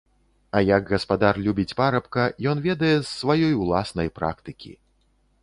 А як гаспадар любіць парабка, ён ведае з сваёй уласнай практыкі.